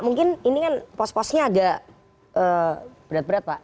mungkin ini kan pos posnya agak berat berat pak